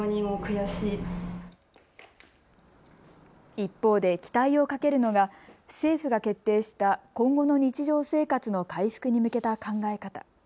一方で期待をかけるのが政府が決定した今後の日常生活の回復に向けた考え方。